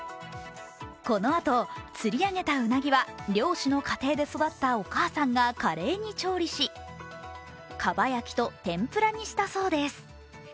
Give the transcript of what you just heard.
このあと、釣り上げたうなぎは漁師の家庭で育ったお母さんが華麗に調理し、かば焼きと天ぷらにしたそうです。